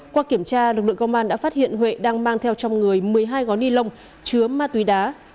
qua kiểm tra lực lượng công an đã phát hiện huệ đang mang theo trong người một mươi hai gói ni lông chứa ma túy đá